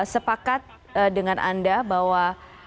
sepakat dengan anda bahwa